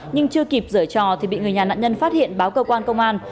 nhưng chưa kịp rời trò thì bị người nhà nạn nhân phát hiện báo cơ quan công an